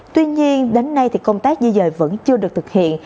tuy nhiên đến nay thì công tác di dời vẫn chưa được thực hiện